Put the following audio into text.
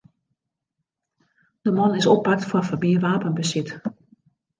De man is oppakt foar ferbean wapenbesit.